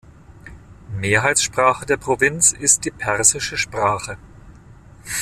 Mehrheitssprache der Provinz ist die Persische Sprache.